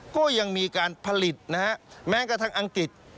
ก็ยังมีการผลิตนะฮะแม้กระทั่งอังกฤษ